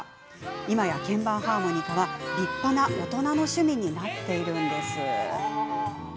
今や鍵盤ハーモニカは、立派な大人の趣味になっているんです。